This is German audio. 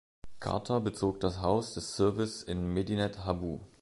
Carter bezog das Haus des Service in Medinet Habu.